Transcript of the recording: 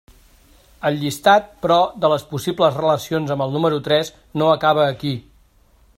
El llistat, però, de les possibles relacions amb el número tres no acaba aquí.